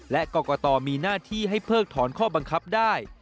และกรกตมีหน้าที่ให้เพิกถอนข้อบังคับได้